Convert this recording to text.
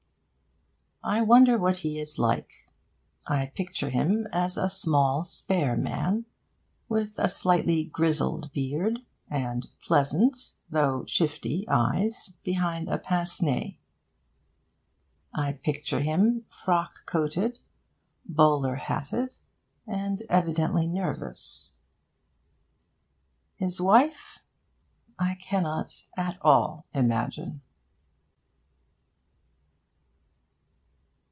I wonder what he is like. I picture him as a small spare man, with a slightly grizzled beard, and pleasant though shifty eyes behind a pince nez. I picture him frock coated, bowler hatted, and evidently nervous. His wife I cannot at all imagine.